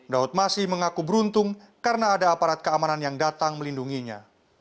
daud masih mengaku beruntung karena ada aparat keamanan yang datang melindunginya